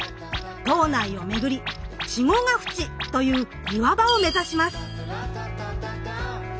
島内を巡り「稚児ヶ淵」という岩場を目指します。